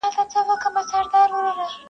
د ژوند مفهوم ورته بدل ښکاري او بې معنا,